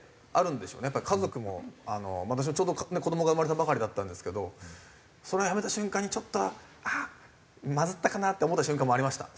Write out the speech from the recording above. やっぱり家族も私もちょうど子どもが生まれたばかりだったんですけどそれは辞めた瞬間にちょっとは「あっまずったかな？」って思った瞬間もありました